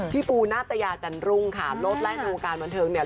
พี่ปูนาตยาจันรุงค่ะโลศแรกในโรงการบันเทิงเนี่ย